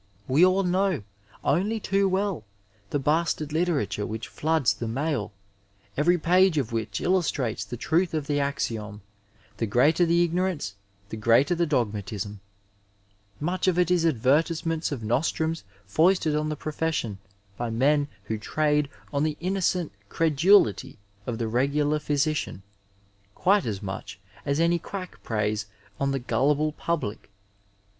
We all know only too well the bastard literature which floods the mail, every page of which illus trates the truth of the axiom, the greater the ignorance 800 Digitized by VjOOQIC CHAUVINISM IN MEDICINE the greater the dogmatiBm. Much of it is advertifiementB of noBtnuns foisted on the profession by men who trade on the innooent credulity of the regular physidan, quite as much as any quack preys on the gullible public.